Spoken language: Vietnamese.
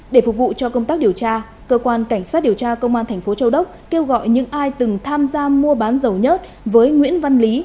để phục vụ cho công tác điều tra cơ quan cảnh sát điều tra công an thành phố châu đốc kêu gọi những ai từng tham gia mua bán dầu nhất với nguyễn văn lý